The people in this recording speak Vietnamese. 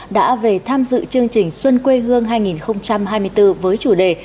đã về tham dự chương trình xuân quê hương hai nghìn hai mươi bốn với chủ đề